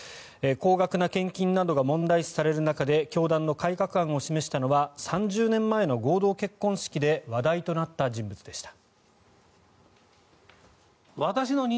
高額な献金などが問題視される中で教団の改革案を示したのは３０年前の合同結婚式で話題となった人物でした。